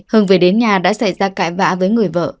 hưng về đến nhà đã xảy ra cãi vã với người vợ